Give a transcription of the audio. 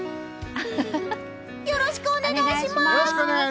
よろしくお願いします！